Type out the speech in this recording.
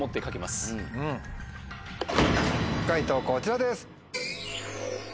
解答こちらです。